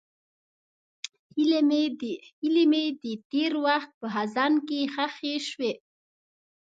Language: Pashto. هیلې مې د تېر وخت په خزان کې ښخې شوې.